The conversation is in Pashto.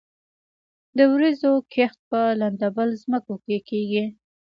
د وریجو کښت په لندبل ځمکو کې کیږي.